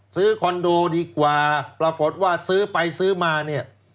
คอนโดดีกว่าปรากฏว่าซื้อไปซื้อมาเนี่ย